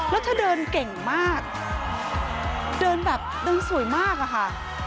แล้วเธอเดินเก่งมากเดินแบบเดินสวยมากอะค่ะ